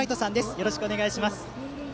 よろしくお願いします。